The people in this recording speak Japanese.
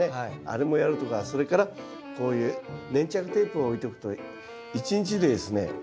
あれもやるとかそれからこういう粘着テープを置いておくと１日でですね